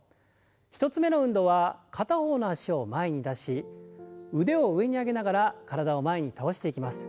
１つ目の運動は片方の脚を前に出し腕を上に上げながら体を前に倒していきます。